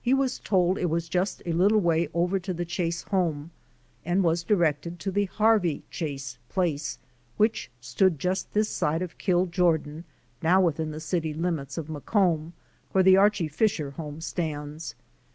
He was told it was just a little way over to the Chase home and was directed to the Harvey Chase place, which stood just this side of Kill Jordan, now within the city limits of Macomb, where the Archie Fisher home stands.